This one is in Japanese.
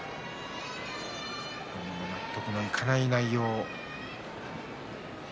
本人も納得のいかない内容。